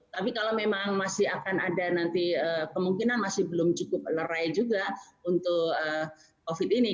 tapi kalau memang masih akan ada nanti kemungkinan masih belum cukup lerai juga untuk covid ini